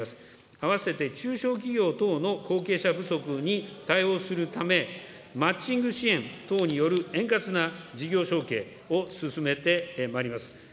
併せて中小企業等の後継者不足に対応するため、マッチング支援等による円滑な事業承継を進めてまいります。